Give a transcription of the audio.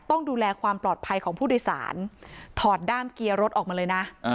ต้องดูแลความปลอดภัยของผู้โดยสารถอดด้ามเกียร์รถออกมาเลยนะ